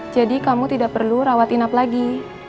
jadi kamu tidak perlu rawat inap lagi